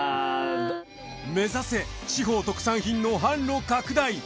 目指せ地方特産品の販路拡大！